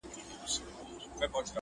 كوم اكبر به ورانوي د فرنګ خونه!!